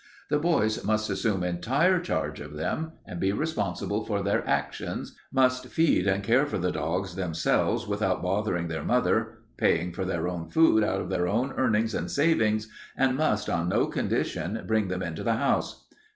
The boys must assume entire charge of them and be responsible for their actions, must feed and care for the dogs themselves without bothering their mother, paying for their food out of their own earnings and savings, and must on no condition bring them into the house.